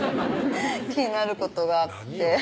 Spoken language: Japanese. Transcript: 気になることがあって何よ？